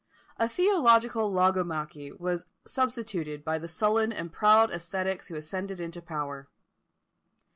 A theological logomachy was substituted by the sullen and proud ascetics who ascended into power.